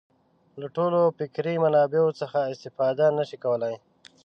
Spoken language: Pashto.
له ټولو فکري منابعو څخه استفاده نه شي کولای.